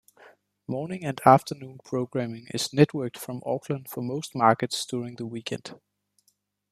Morning and afternoon programming is networked from Auckland for most markets during the weekend.